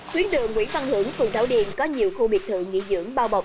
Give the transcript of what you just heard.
tuyến đường nguyễn văn hưởng phường thảo điền có nhiều khu biệt thự nghỉ dưỡng bao bọc